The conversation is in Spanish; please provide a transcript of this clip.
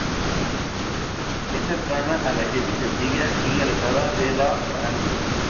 Es cercana a la gente, sencilla y alejada de la farándula".